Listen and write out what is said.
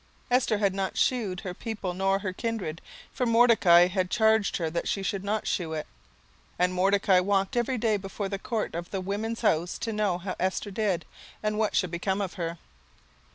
17:002:010 Esther had not shewed her people nor her kindred: for Mordecai had charged her that she should not shew it. 17:002:011 And Mordecai walked every day before the court of the women's house, to know how Esther did, and what should become of her.